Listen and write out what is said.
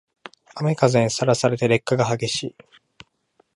雨風にさらされて劣化が激しい